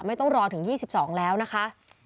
ไม่ต้องรอถึง๒๒แล้วนะคะ